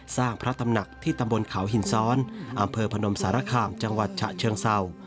พระตำหนักที่ตำบลเขาหินซ้อนอำเภอพนมสารคามจังหวัดฉะเชิงเศร้า